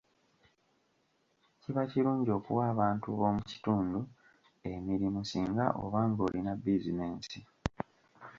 Kiba kirungi okuwa abantu b'omu kitundu emirimu singa oba ng'olina bizinensi.